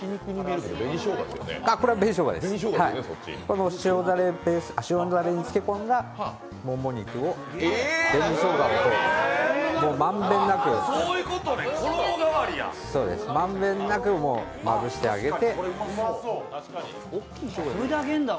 これ、紅しょうがです、塩だれにつけ込んだもも肉を紅しょうがを満遍なくまぶしてあげて。